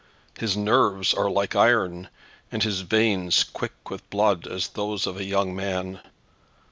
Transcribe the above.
His nerves are like iron, and his veins quick with blood as those of a young man.